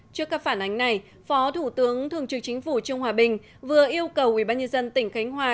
trước các phản ánh này phó thủ tướng thường trực chính phủ trương hòa bình vừa yêu cầu ubnd tỉnh khánh hòa